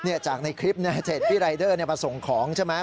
จากในคลิปเนี่ยเสร็จพี่รายเดอร์มาส่งของใช่ไหม